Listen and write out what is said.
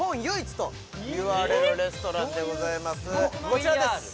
こちらです